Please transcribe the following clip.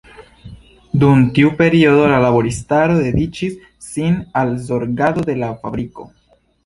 Dum tiu periodo, la laboristaro dediĉis sin al zorgado de la fabriko.